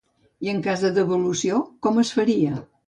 I en cas de devolució com es faria?